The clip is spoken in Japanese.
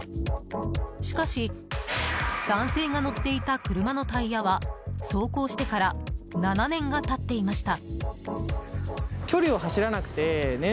しかし、男性が乗っていた車のタイヤは走行してから７年が経っていました。